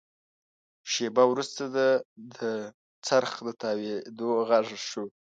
شېبه وروسته د څرخ د تاوېدو غږ شو.